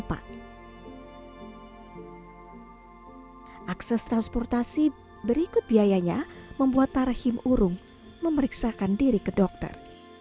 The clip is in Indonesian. akses transportasi berikut biayanya membuat tarhim urung memeriksakan diri ke dokter